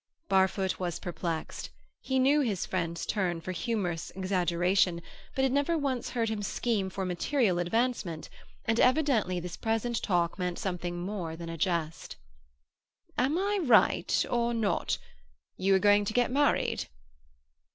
Barfoot was perplexed. He knew his friend's turn for humorous exaggeration, but had never once heard him scheme for material advancement, and evidently this present talk meant something more than a jest. "Am I right or not? You are going to get married?"